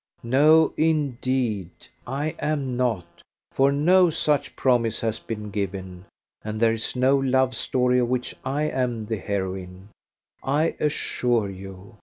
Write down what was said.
"No, indeed, I am not, for no such promise has been given; and there is no love story of which I am the heroine, I assure you.